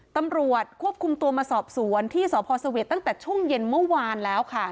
ตำรวจควบคุมตัวมาสอบสวนที่สพสเวทตั้งแต่ช่วงเย็นเมื่อวานแล้วค่ะ